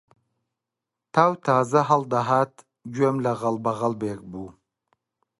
تاو تازە هەڵدەهات گوێم لە غەڵبەغەڵبێک بوو